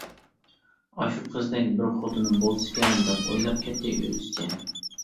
«ئاشۇ قىزدەك بىر خوتۇنۇم بولسىكەن» دەپ ئويلاپ كەتتى ئۆزىچە.